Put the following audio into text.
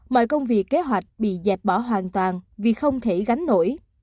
mọi công việc kế hoạch bị dẹp bỏ hoàn toàn vì không thể gánh nổi